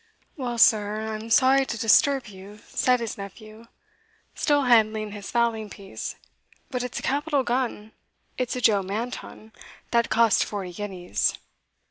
"Well, sir, I'm sure I'm sorry to disturb you," said his nephew, still handling his fowling piece; "but it's a capital gun it's a Joe Manton, that cost forty guineas."